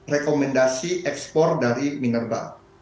rekomendasi ekspor dari minerba